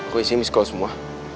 kok isinya miss call semua